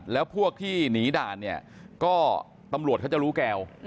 แล้วพวกที่หนีด่านเนี่ยก็ตำรวจเขาจะรู้แก้ว